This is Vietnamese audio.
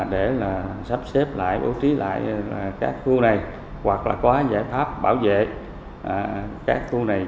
để sắp xếp lại bố trí lại các khu này hoặc là có giải pháp bảo vệ các khu này